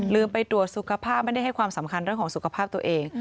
ไปตรวจสุขภาพไม่ได้ให้ความสำคัญเรื่องของสุขภาพตัวเอง